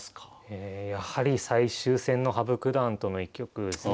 やはり最終戦の羽生九段との一局ですね。